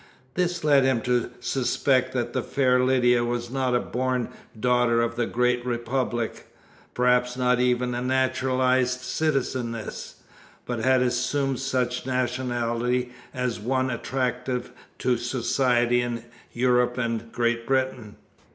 This led him to suspect that the fair Lydia was not a born daughter of the Great Republic, perhaps not even a naturalised citizeness, but had assumed such nationality as one attractive to society in Europe and Great Britain.